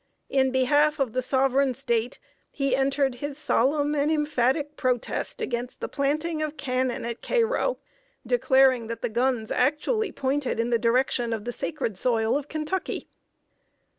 In behalf of the sovereign State, he entered his solemn and emphatic protest against the planting of cannon at Cairo, declaring that the guns actually pointed in the direction of the sacred soil of Kentucky!